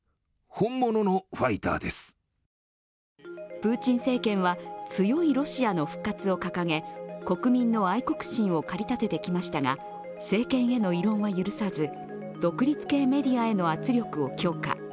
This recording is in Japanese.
プーチン政権は強いロシアの復活を掲げ国民の愛国心を駆り立ててきましたが、政権への異論は許さず独立系メディアへの圧力を強化。